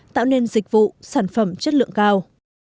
tạo nên dịch vụ sản phẩm chất lượng cao